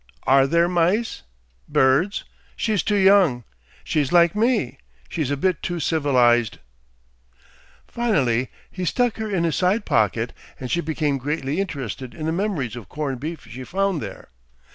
ARE there mice?... Birds?... She's too young.... She's like me; she's a bit too civilised." Finally he stuck her in his side pocket and she became greatly interested in the memories of corned beef she found there.